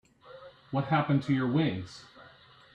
What happened to your wings?